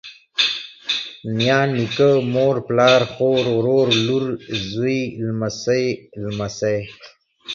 نيا، نيکه، مور، پلار، خور، ورور، لور، زوى، لمسۍ، لمسى